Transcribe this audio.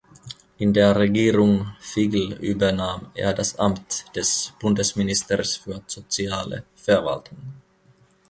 In der Regierung Figl übernahm er das Amt des Bundesministers für soziale Verwaltung.